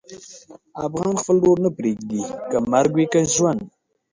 افغان خپل ورور نه پرېږدي، که مرګ وي که ژوند.